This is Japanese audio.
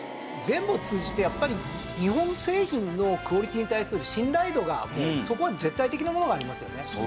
全部を通じてやっぱり日本製品のクオリティーに対する信頼度がそこは絶対的なものがありますよね。